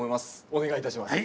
お願いいたします。